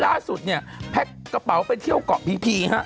ล่าสุดเนี่ยแพ็กกระเป๋าไปเที่ยวก้อกพีค่ะ